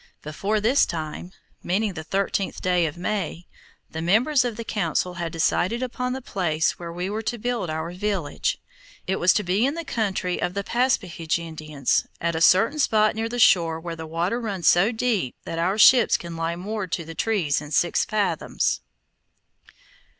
Before this time, meaning the thirteenth day of May, the members of the Council had decided upon the place where we were to build our village. It was to be in the country of the Paspahegh Indians, at a certain spot near the shore where the water runs so deep that our ships can lie moored to the trees in six fathoms.